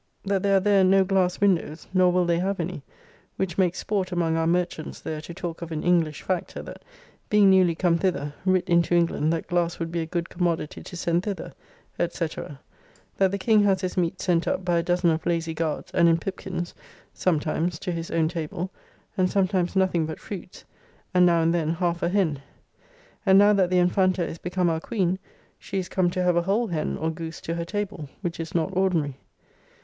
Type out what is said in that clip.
That there are there no glass windows, nor will they have any; which makes sport among our merchants there to talk of an English factor that, being newly come thither, writ into England that glass would be a good commodity to send thither, &c. That the King has his meat sent up by a dozen of lazy guards and in pipkins, sometimes, to his own table; and sometimes nothing but fruits, and, now and then, half a hen. And now that the Infanta is become our Queen, she is come to have a whole hen or goose to her table, which is not ordinary.